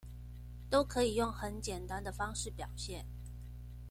都可以用很簡單的方式表現